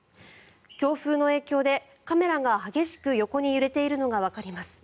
強風の影響でカメラが激しく横に揺れているのがわかります。